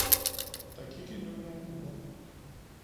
Der gik endnu nogle uger